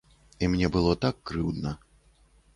І мне было так крыўдна.